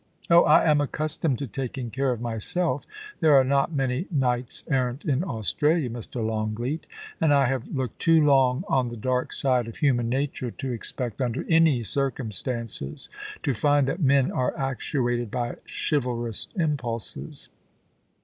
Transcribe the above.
Oh I I am accustomed to taking care of myselt There are not many knights errant in Australia, Mr. Long leat, and I have looked too long on the dark side of human nature to expect, under any circumstances, to find that men are actuated by chivalrous impulses.